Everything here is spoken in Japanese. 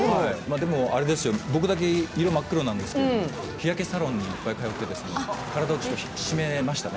でも、僕だけ色真っ黒なんですけど日焼けサロンにいっぱい通って体を引き締めましたね。